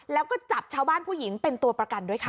แล้วก็จับชาวบ้านผู้หญิงเป็นตัวประกันด้วยค่ะ